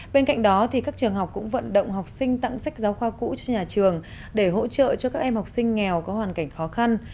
bên cạnh đó các trường học cũng vận động học sinh tặng sách giáo khoa cũ cho nhà trường để hỗ trợ cho các em học sinh nghèo có hoàn cảnh khó khăn